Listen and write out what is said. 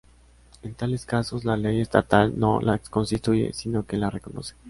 En tales casos, la ley estatal no las constituye sino que las reconoce.